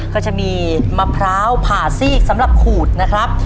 ก็จะมีมะพร้าวผ่าซีกสำหรับขูดนะครับ